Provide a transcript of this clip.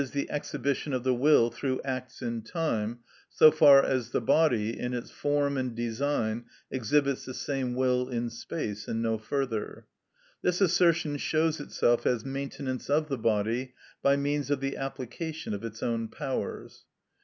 _, the exhibition of the will through acts in time, so far as the body, in its form and design, exhibits the same will in space, and no further. This assertion shows itself as maintenance of the body, by means of the application of its own powers.